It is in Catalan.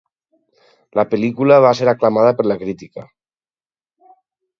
La pel·lícula va ser aclamada per la crítica.